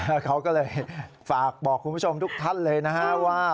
แล้วเขาก็เลยฝากบอกคุณผู้ชมทุกท่านเลยนะฮะว่า